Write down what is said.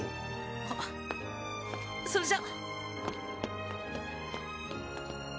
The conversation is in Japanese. あそれじゃ！